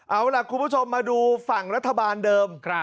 เอาล่ะคุณผู้ชมมาดูฝั่งรัฐบาลเดิม